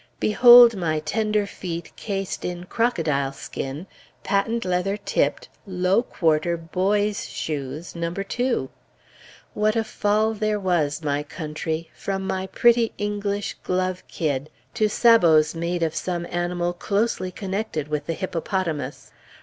Behold my tender feet cased in crocodile skin, patent leather tipped, low quarter boy's shoes, No. 2! "What a fall was there, my country," from my pretty English glove kid, to sabots made of some animal closely connected with the hippopotamus!